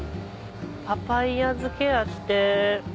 パパイヤ漬けやって。